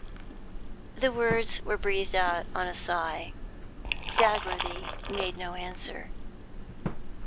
The words were breathed out on a sigh. Dagworthy made no answer.